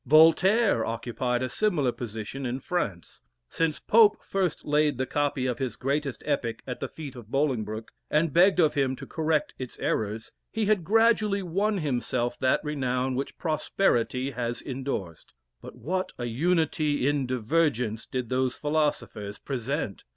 Voltaire occupied a similar position in France. Since Pope first laid the copy of his greatest epic at the feet of Bolingbroke, and begged of him to correct its errors, he had gradually won himself that renown which prosperity has endorsed. But what a unity in divergence did those philosophers present!